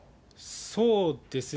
そうですね。